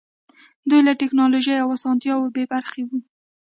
دوی له ټکنالوژۍ او اسانتیاوو بې برخې وو.